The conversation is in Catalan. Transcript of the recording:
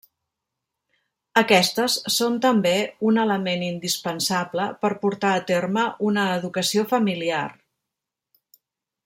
Aquestes són també un element indispensable per portar a terme una educació familiar.